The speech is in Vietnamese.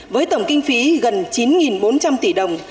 với tổng kinh phí gần chín bốn trăm linh tỷ đồng